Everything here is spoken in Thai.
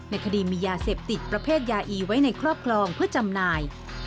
คดีมียาเสพติดประเภทยาอีไว้ในครอบครองเพื่อจำหน่าย